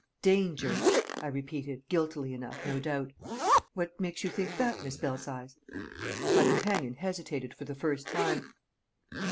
"Danger!" I repeated, guiltily enough, no doubt. "What makes you think that, Miss Belsize?" My companion hesitated for the first time.